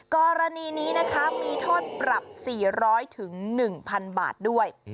กรณีนี้มีโทษปรับ๔๐๐ถึง๑พันบาทด้วย